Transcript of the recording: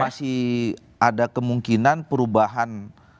masih ada kemungkinan perubahan